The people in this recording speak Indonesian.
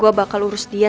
gue bakal urus dia